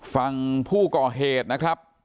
ฝั่งผู้ก่อเหตุนะครับ